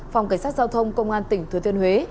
phòng cảnh sát giao thông công an tỉnh thừa thiên huế